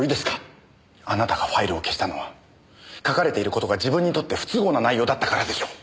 あなたがファイルを消したのは書かれている事が自分にとって不都合な内容だったからでしょう！